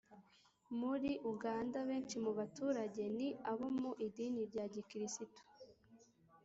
Muri uganda, benshi mu baturage ni abo mu idini rya gikristu